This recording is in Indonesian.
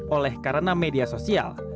oleh karena media sosial